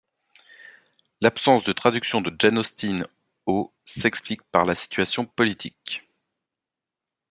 L'absence de traduction de Jane Austen au s'explique par la situation politique.